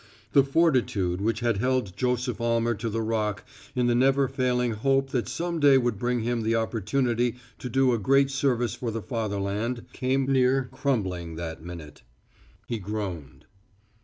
The fortitude which had held Joseph Almer to the Rock in the never failing hope that some day would bring him the opportunity to do a great service for the fatherland came near crumbling that minute. He groaned.